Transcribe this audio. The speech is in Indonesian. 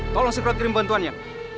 tolong cepat kirim bantuannya